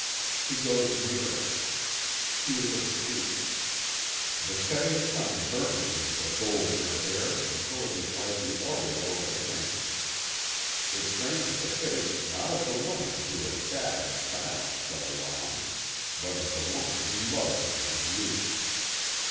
He goes nearer. She is asleep. The setting sun burnishes the gold of her hair until it is like the aureole of a saint. It frames the face not of the woman who has sat in silence so long, but of the woman who loved him in his youth.